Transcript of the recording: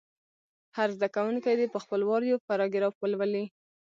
هر زده کوونکی دې په خپل وار یو پاراګراف ولولي.